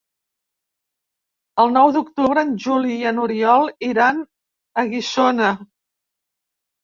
El nou d'octubre en Juli i n'Oriol iran a Guissona.